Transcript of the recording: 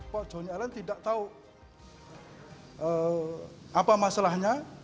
pak joni allen tidak tahu apa masalahnya